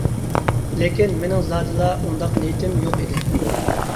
لېكىن مېنىڭ زادىلا ئۇنداق نىيىتىم يوق ئىدى.